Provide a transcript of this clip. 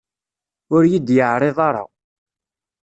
Ur yi-d-yeɛriḍ ara.